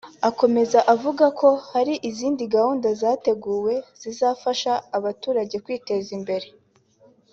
Akomeza avuga ko hari izindi gahunda zateguwe zizafasha aba baturage kwiteza imbere